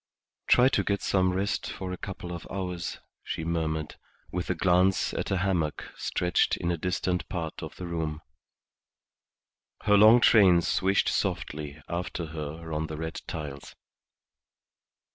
"Try to get some rest for a couple of hours," she murmured, with a glance at a hammock stretched in a distant part of the room. Her long train swished softly after her on the red tiles.